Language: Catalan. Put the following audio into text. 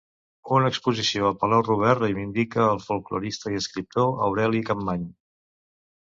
Una exposició al Palau Robert reivindica el folklorista i escriptor Aureli Capmany.